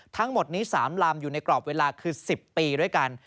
ทั้งหมดนี้๓ลำอยู่ในกรอบเวลาคือ๑๐ปีด้วยกัน